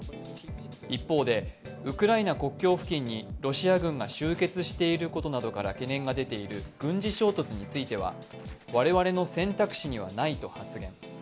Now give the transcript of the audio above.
一方で、ウクライナ国境付近にロシア軍が集結していることから懸念が出ている軍事衝突については、我々の選択肢にはないと発言。